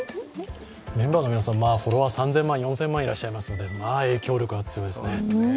メンバーの皆さん、フォロワー３０００万、４０００万いらっしゃいますのでまあ影響力は強いですね。